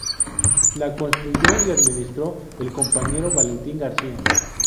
La construyó y administró el compañero, Valentín García.